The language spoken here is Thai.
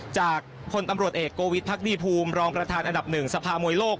จากพลตำรวจเอกโกวิทย์พักดีภูมิรองประธานอันดับ๑สภามวยโลก